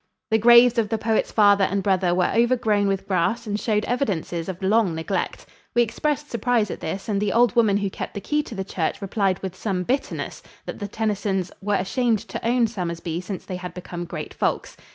The graves of the poet's father and brother were overgrown with grass and showed evidences of long neglect. We expressed surprise at this, and the old woman who kept the key to the church replied with some bitterness that the Tennysons "were ashamed to own Somersby since they had become great folks."